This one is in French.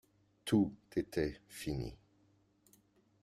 Tout était fini.